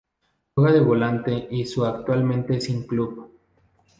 Juega de volante y su actualmente sin club.